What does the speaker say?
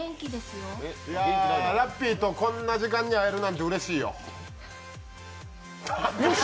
ラッピーとこんな時間に会えるなんてうれしいよ。